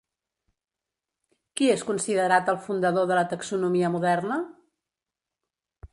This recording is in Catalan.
Qui és considerat el fundador de la taxonomia moderna?